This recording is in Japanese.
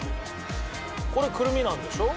これくるみなんでしょ？